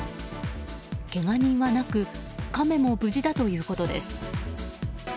けが人はなくカメも無事だということです。